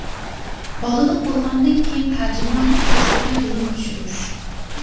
بالىلىق بولغاندىن كېيىن تەرجىمانلىق كەسپىدە بىلىم ئاشۇرۇش.